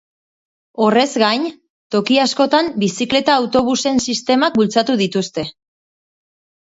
Horrez gain, toki askotan bizikleta-autobusen sistemak bultzatu dituzte.